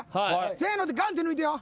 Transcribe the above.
せのでガンって抜いてよ。